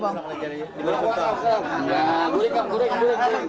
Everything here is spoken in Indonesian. nah gurih kap gurih